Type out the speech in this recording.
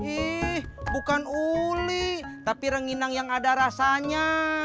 ih bukan uli tapi renginang yang ada rasanya